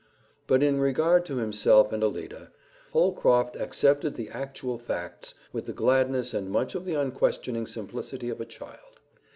Both in regard to himself and Alida, Holcroft accepted the actual facts with the gladness and much of the unquestioning simplicity of a child.